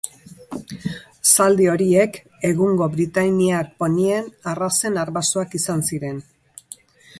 Zaldi horiek egungo britainiar ponien arrazen arbasoak izan ziren.